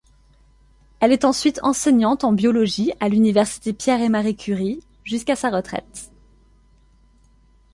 Elle est ensuite enseignante en biologie à l'université Pierre-et-Marie-Curie, jusqu'à sa retraite.